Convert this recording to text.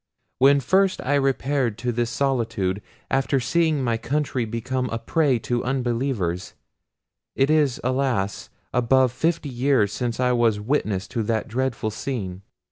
When first I repaired to this solitude, after seeing my country become a prey to unbelievers—it is alas! above fifty years since I was witness to that dreadful scene!